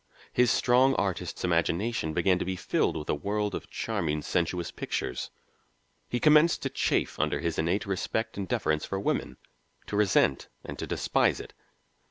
His strong artist's imagination began to be filled with a world of charming sensuous pictures. He commenced to chafe under his innate respect and deference for women, to resent and to despise it.